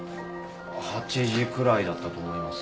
８時くらいだったと思います。